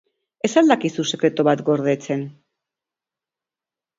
Ez al dakizu sekretu bat gordetzen?